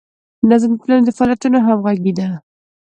نظم د ټولنې د فعالیتونو همغږي ده.